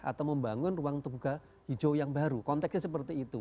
atau membangun ruang terbuka hijau yang baru konteksnya seperti itu